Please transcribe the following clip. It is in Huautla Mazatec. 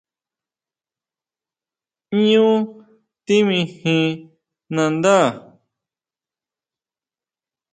¿ʼÑu timijin nandá?